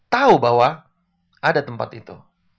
tahu bahwa ada tempat itu